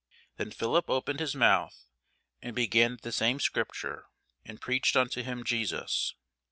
Then Philip opened his mouth, and began at the same scripture, and preached unto him Jesus.